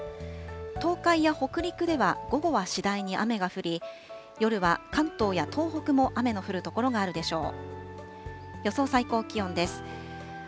東海や北陸では、午後は次第に雨が降り、夜は関東や東北も雨の降る所があるでしょう。